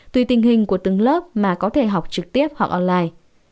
tùy tình hình của từng lớp mà có thể học trực tiếp hoặc online